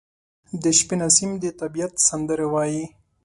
• د شپې نسیم د طبیعت سندرې وايي.